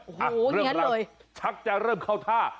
โหเหี้ยนเลยเริ่มรับชักจะเริ่มเข้าท่า